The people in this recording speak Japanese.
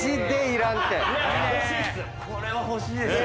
これは欲しいですよ。